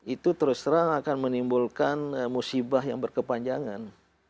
itu terus terang akan menimbulkan musibah yang berkepanjangan